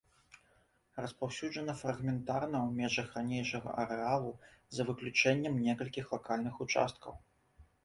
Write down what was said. Распаўсюджана фрагментарна ў межах ранейшага арэалу, за выключэннем некалькіх лакальных участкаў.